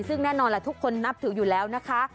ซึ่งแน่นอนแหละทุกคนนับถืออยู่แล้วนะคะ